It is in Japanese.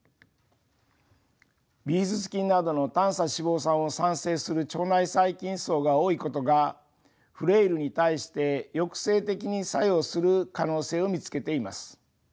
ビフィズス菌などの短鎖脂肪酸を産生する腸内細菌そうが多いことがフレイルに対して抑制的に作用する可能性を見つけています。